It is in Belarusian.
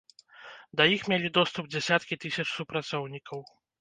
Да іх мелі доступ дзясяткі тысяч супрацоўнікаў.